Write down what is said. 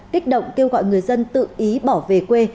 kích động kêu gọi người dân tự ý bỏ về quê